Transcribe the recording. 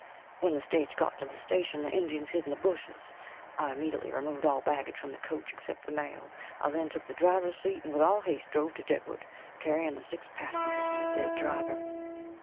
When the stage got to the station the Indians hid in the bushes. I immediately removed all baggage from the coach except the mail. I then took the driver's seat and with all haste drove to Deadwood, carrying the six passengers and the dead driver.